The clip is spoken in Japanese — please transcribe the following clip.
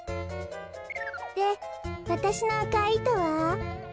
でわたしのあかいいとは？